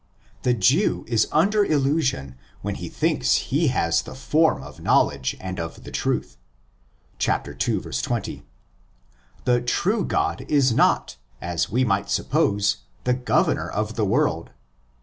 The Jew is under illusion when he thinks he has 'the form of knowledge and of the truth" (ii. 20). The true God is not, as we might suppose, the governor of the world.